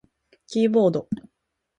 キーボード